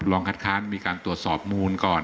คัดค้านมีการตรวจสอบมูลก่อน